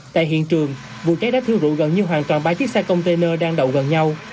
tại hiện trường vụ cháy đã thiêu rụ gần như hoàn toàn ba chiếc xe container đang đậu gần nhau